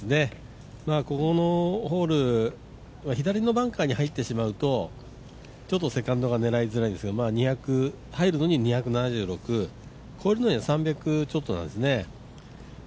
このホールは左のバンカーに入ってしまうとちょっとセカンドが狙いづらいですけど入るのに２７６、越えるには３００ちょっとなんですね